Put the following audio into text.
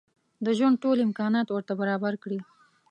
د ژوند ټول امکانات ورته برابر کړي.